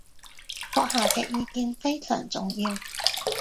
閣下嘅意見非常重要